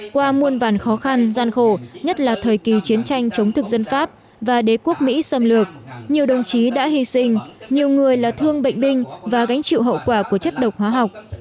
qua muôn vàn khó khăn gian khổ nhất là thời kỳ chiến tranh chống thực dân pháp và đế quốc mỹ xâm lược nhiều đồng chí đã hy sinh nhiều người là thương bệnh binh và gánh chịu hậu quả của chất độc hóa học